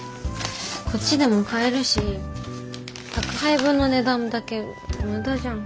こっちでも買えるし宅配分の値段だけ無駄じゃん。